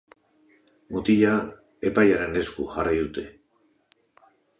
Mutila epailearen esku jarri dute.